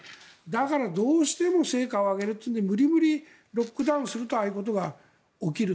だからどうしても成果を上げるというので無理無理ロックダウンをするとああいうことが起きる。